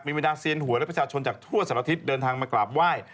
บรรดาเซียนหัวและประชาชนจากทั่วสารทิศเดินทางมากราบไหว้